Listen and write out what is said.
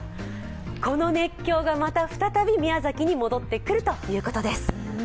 この熱狂がまた再び宮崎に戻ってくるということです。